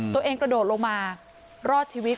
ตัวเองกระโดดลงมารอดชีวิต